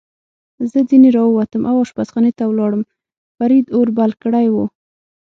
زه ځنې را ووتم او اشپزخانې ته ولاړم، فرید اور بل کړی و.